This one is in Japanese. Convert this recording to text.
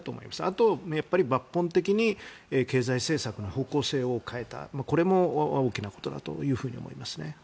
あと、抜本的に経済政策の方向性を変えたこれも大きなことだというふうに思いますね。